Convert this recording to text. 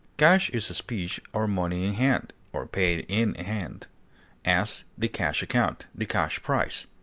Cash is specie or money in hand, or paid in hand; as, the cash account; the cash price.